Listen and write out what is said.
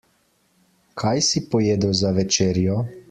Kaj si pojedel za večerjo?